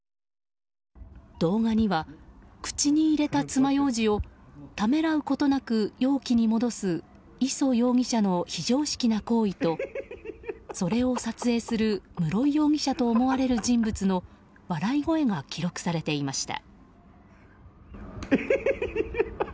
動画には口に入れたつまようじをためらうことなく容器に戻す礒容疑者の非常識な行為とそれを撮影する室井容疑者と思われる人物の笑い声が記録されていました。